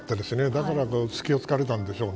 だから隙を突かれたんでしょうね。